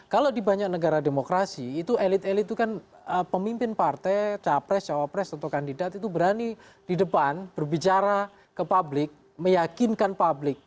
kalau di banyak negara demokrasi itu elit elit itu kan pemimpin partai capres cawapres atau kandidat itu berani di depan berbicara ke publik meyakinkan publik